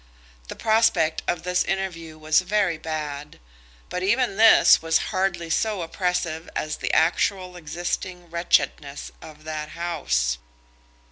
The prospect of this interview was very bad, but even this was hardly so oppressive as the actual existing wretchedness of that house.